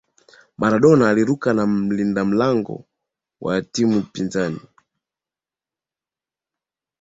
Maradona aliruka na mlinda lango wa timu pinzani